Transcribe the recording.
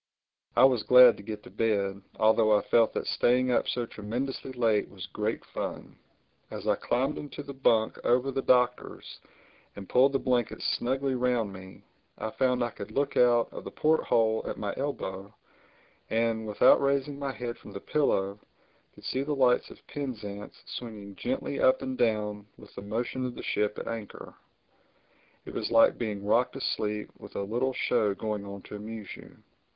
I was glad to get to bed, although I felt that staying up so tremendously late was great fun. As I climbed into the bunk over the Doctor's and pulled the blankets snugly round me, I found I could look out of the port hole at my elbow, and, without raising my head from the pillow, could see the lights of Penzance swinging gently up and down with the motion of the ship at anchor. It was like being rocked to sleep with a little show going on to amuse you.